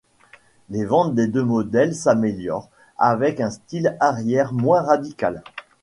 Les ventes des deux modèles s'améliorèrent avec un style arrière moins radical.